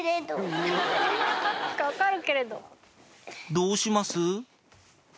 どうします？